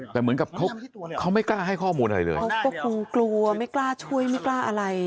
แต่เหมือนกับเขาเขาไม่กล้าให้ข้อมูลอะไรเลยเขาก็คงกลัวไม่กล้าช่วยไม่กล้าอะไร